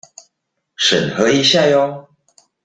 審核一下唷！